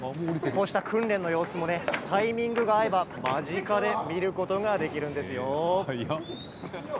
こうした訓練の様子もタイミングが合えば間近で見ることができるんですよ。